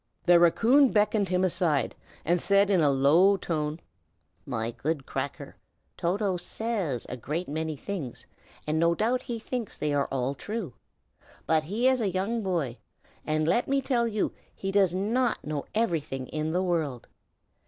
The raccoon beckoned him aside, and said in a low tone, "My good Cracker, Toto says a great many things, and no doubt he thinks they are all true. But he is a young boy, and, let me tell you, he does not know everything in the world.